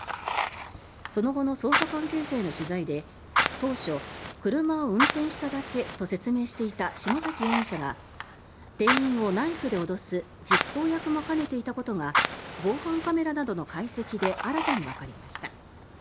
その後の捜査関係者への取材で当初、車を運転しただけと説明していた下崎容疑者が店員をナイフで脅す実行役も兼ねていたことが防犯カメラなどの解析で新たにわかりました。